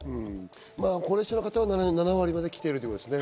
高齢者の方は７割まで来てるってことですね。